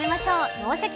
「脳シャキ！